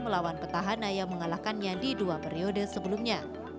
melawan petahana yang mengalahkannya di dua periode sebelumnya